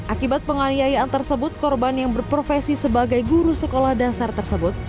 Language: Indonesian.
akibat penganiayaan tersebut korban yang berprofesi sebagai guru sekolah dasar tersebut